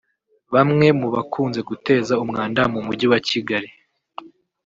Bamwe mu bakunze guteza umwanda mu Mujyi wa Kigali